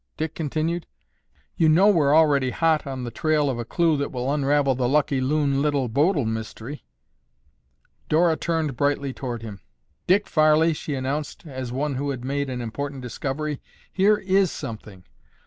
Dick continued. "You know we're already hot on the trail of a clue that will unravel the Lucky Loon—Little Bodil mystery." Dora turned brightly toward him. "Dick Farley," she announced, as one who had made an important discovery, "here is something!